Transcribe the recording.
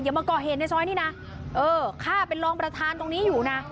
มาก่อเหตุในซอยนี้นะเออข้าเป็นรองประธานตรงนี้อยู่นะ